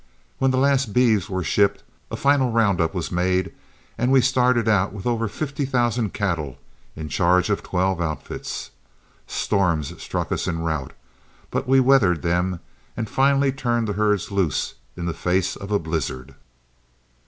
When the last beeves were shipped, a final round up was made, and we started out with over fifty thousand cattle in charge of twelve outfits. Storms struck us en route, but we weathered them, and finally turned the herds loose in the face of a blizzard.